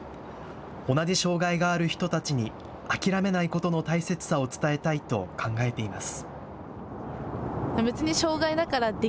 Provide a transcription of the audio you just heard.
同じ障害がある人たちに諦めないことの大切さを伝えたいと考えています。